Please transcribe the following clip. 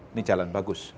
ini jalan bagus